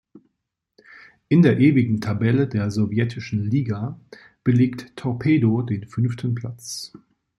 In der ewigen Tabelle der sowjetischen Liga belegt Torpedo den fünften Platz.